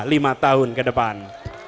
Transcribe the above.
lima tahun kedepan